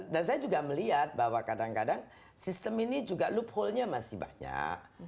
dan saya juga melihat bahwa kadang kadang sistem ini juga loophole nya masih banyak